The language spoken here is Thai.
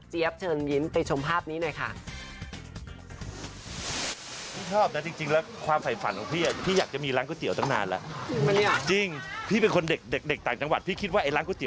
เชิญยิ้มไปชมภาพนี้หน่อยค่ะ